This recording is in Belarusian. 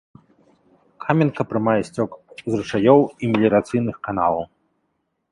Каменка прымае сцёк з ручаёў і меліярацыйных каналаў.